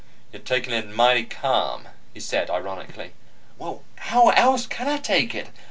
"You're taking it mighty calm," he said ironically. "Well, how else can I take it?